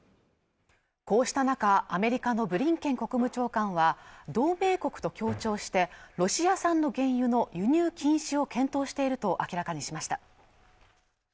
こうした中アメリカのブリンケン国務長官は同盟国と協調してロシア産の原油の輸入禁止を検討していると明らかにしました